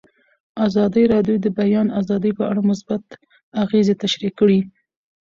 ازادي راډیو د د بیان آزادي په اړه مثبت اغېزې تشریح کړي.